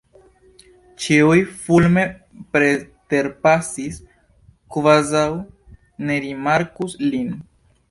Ĉiuj fulme preterpasis, kvazaŭ ne rimarkus lin.